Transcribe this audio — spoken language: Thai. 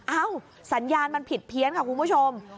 สัญญาณมันผิดเพี้ยนค่ะคุณผู้ชม